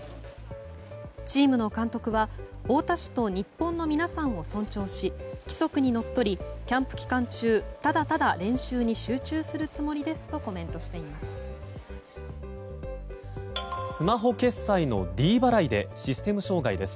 チームの監督は太田市と日本の皆さんを尊重し規則にのっとり、キャンプ期間中ただただ練習に集中するつもりですとコメントしています。